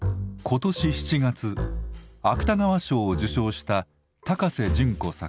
今年７月芥川賞を受賞した高瀬隼子作